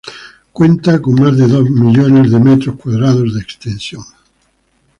Cuenta con más de dos millones de metros cuadrados de extensión.